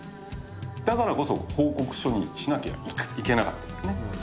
だからこそ、報告書にしなきゃいけなかったんですね。